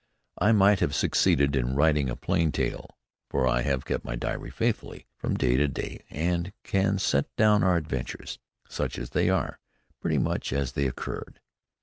I might have succeeded in writing a plain tale, for I have kept my diary faithfully, from day to day, and can set down our adventures, such as they are, pretty much as they occurred.